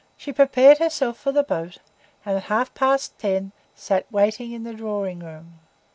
She prepared herself for the boat and at half past ten sat waiting in the drawing room.